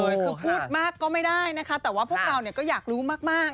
คือพูดมากก็ไม่ได้นะคะแต่ว่าพวกเราก็อยากรู้มาก